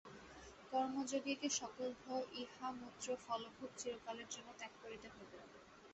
কর্মযোগীকে সকল ভয় ইহামুত্রফলভোগ চিরকালের জন্য ত্যাগ করিতে হইবে।